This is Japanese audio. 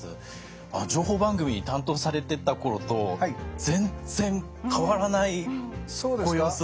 情報番組担当されてた頃と全然変わらないご様子。